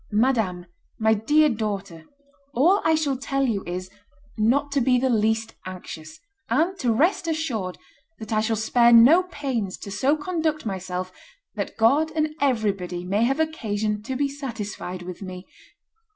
"Madame, my dear daughter, all I shall tell you is, not to be the least anxious, and to rest assured that I shall spare no pains to so conduct myself that God and everybody may have occasion to be satisfied with me.